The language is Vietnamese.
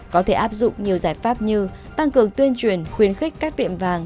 có thể áp dụng nhiều giải pháp như tăng cường tuyên truyền khuyến khích các tiệm vàng